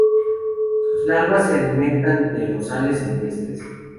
Sus larvas se alimentan de rosales silvestres.